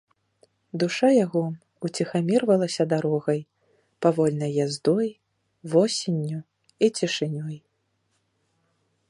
Душа яго ўціхамірвалася дарогай, павольнай яздой, восенню і цішынёй.